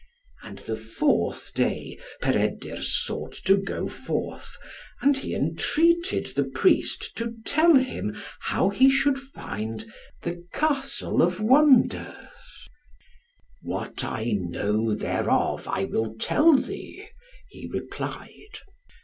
And the fourth day Peredur sought to go forth, and he entreated the priest to tell him how he should find the Castle of Wonders. "What I know thereof, I will tell thee," he replied.